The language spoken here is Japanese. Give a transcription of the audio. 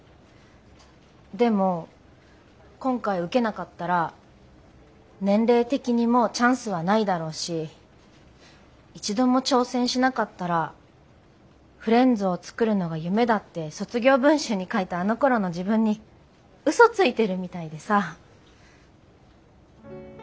でも今回受けなかったら年齢的にもうチャンスはないだろうし一度も挑戦しなかったらフレンズを作るのが夢だって卒業文集に書いたあのころの自分にうそついてるみたいでさ。